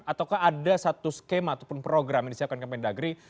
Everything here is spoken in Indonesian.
ataukah ada satu skema ataupun program yang disiapkan kemendagri